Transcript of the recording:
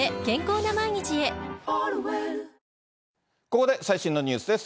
ここで最新のニュースです。